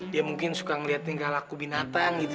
dia mungkin suka ngeliat tinggal aku binatang gitu